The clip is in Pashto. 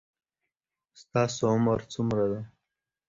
ستاسو عمر څومره ده